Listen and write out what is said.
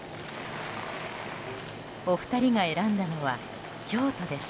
お二人が選んだのは京都です。